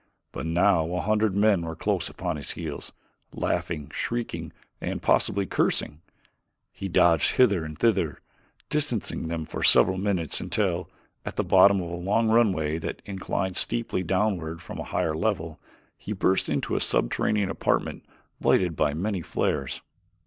But now a hundred men were close upon his heels, laughing, shrieking, and possibly cursing. He dodged hither and thither, distancing them for several minutes until, at the bottom of a long runway that inclined steeply downward from a higher level, he burst into a subterranean apartment lighted by many flares.